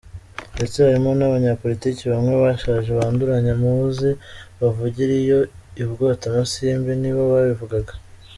Ndetse harimo n’abanyapolitiki bamwe bashaje banduranya muzi bavugira iyo i Bwotamasimbi, nibo babivugaga.